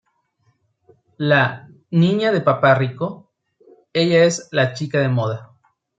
La "niña de papá rico", ella es la chica de moda.